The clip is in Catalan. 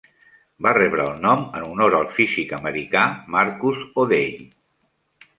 Va rebre el nom en honor al físic americà Marcus O'Day.